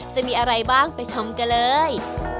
จะมีอะไรบ้างไปชมกันเลย